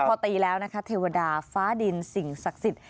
พอตีแล้วนะคะเทวดาฟ้าดินสิ่งศักดิ์สิทธิ์